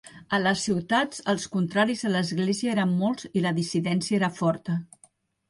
A les ciutats els contraris a l'església eren molts i la dissidència era forta.